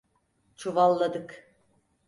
Çuvalladık.